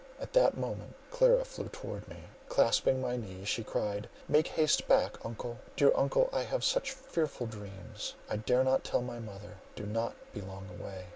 At that moment Clara flew towards me; clasping my knee she cried, "Make haste back, uncle! Dear uncle, I have such fearful dreams; I dare not tell my mother. Do not be long away!"